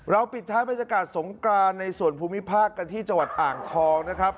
ปิดท้ายบรรยากาศสงกรานในส่วนภูมิภาคกันที่จังหวัดอ่างทองนะครับ